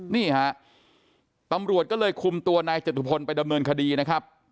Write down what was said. นี่ฮะตำรวจก็เลยคุมตัวนายจตุพลไปดำเนินคดีนะครับ